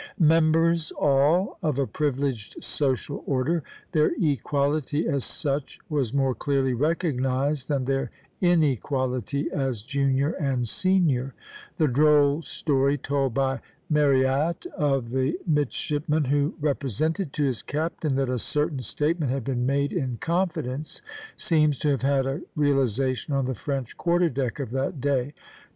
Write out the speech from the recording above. Members, all, of a privileged social order, their equality as such was more clearly recognized than their inequality as junior and senior. The droll story told by Marryatt of the midshipman, who represented to his captain that a certain statement had been made in confidence, seems to have had a realization on the French quarter deck of that day.